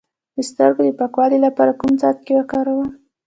د سترګو د پاکوالي لپاره کوم څاڅکي وکاروم؟